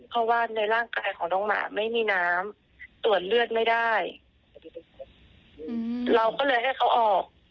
เพราะว่าในร่างกายของน้องหมาไม่มีน้ำตรวจเลือดไม่ได้เราก็เลยให้เขาออก